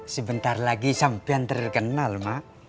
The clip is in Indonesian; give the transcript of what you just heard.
sebentar lagi sampean terkenal mak